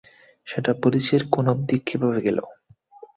সেটা পুলিশের কান অব্ধি কীভাবে গেল?